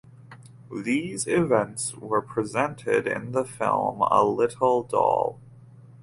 These events were presented in the film "A Little Doll".